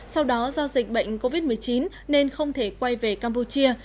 sau đó do dịch bệnh covid một mươi chín nên không thể quay về campuchia